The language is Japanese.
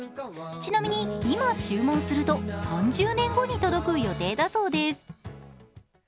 ちなみに、今注文すると３０年後に届く予定だそうです。